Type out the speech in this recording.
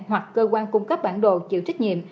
hoặc cơ quan cung cấp bản đồ chịu trách nhiệm